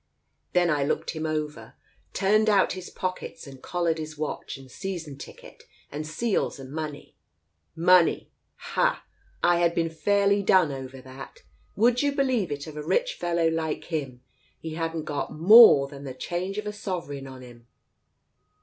Then I looked him over, turned out his pockets and collared his watch and season ticket and seals and money. Money — hah !— I had been fairly done over that. Would you believe it of a rich fellow like him, he hadn't got more than the change of a sovereign on him."